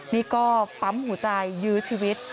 นี่ก็ปั๊มหัวใจยื้อชีวิต